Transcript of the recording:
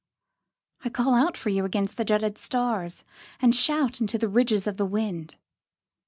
I call out for you against the jutted stars And shout into the ridges of the wind.